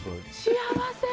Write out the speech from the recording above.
幸せ！